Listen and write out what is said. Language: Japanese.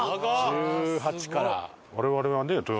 １８から。